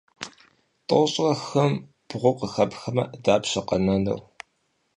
Тӏощӏрэ хым бгъу къыхэпхмэ, дапщэ къэнэнур?